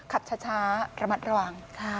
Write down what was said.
ขับช้าระมัดระวัง